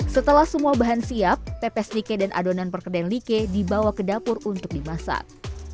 setelah semua bahan siap pepes nike dan adonan perkedel nike dibawa ke dapur untuk dimasak